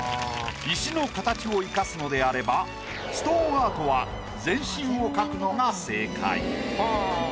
石の形を活かすのであればストーンアートは全身を描くのが正解。